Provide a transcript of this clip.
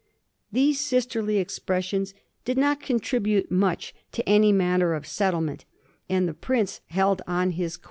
These sisterly expressions did not contribute much to any manner of settlement, and the prince held on his course.